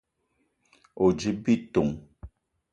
O: djip bitong.